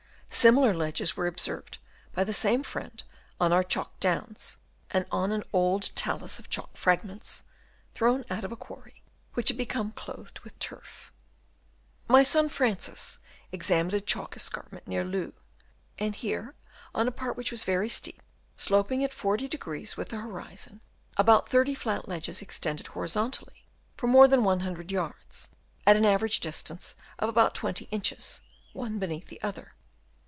Similar ledges were observed by the same friend on our Chalk downs, and on an old talus of chalk fragments (thrown out of a quarry) which had become clothed with turf. My son Francis examined a Chalk escarp ment near Lewes ; and here on a part which was very steep, sloping at 40° with the horizon, about 30 flat ledges extended hori zontally for more than 100 yards, at an average distance of about 20 inches, one beneath the other.